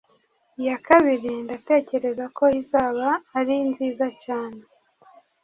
iya kabiri ndatekereza ko izaba arinziza czane